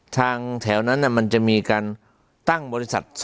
แถวนั้นมันจะมีการตั้งบริษัท